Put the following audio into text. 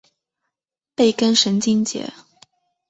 背根神经节。